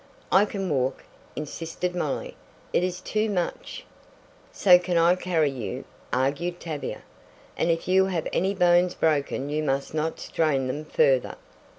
"I can walk," insisted Molly. "It is too much " "So can I carry you," argued Tavia, "and if you have any bones broken you must not strain them further."